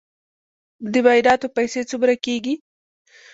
د معایناتو پیسې څومره کیږي؟